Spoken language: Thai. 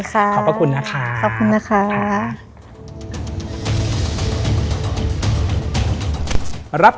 สวัสดีครับ